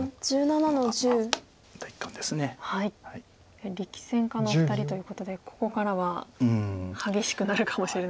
やはり力戦家のお二人ということでここからは激しくなるかもしれないですね。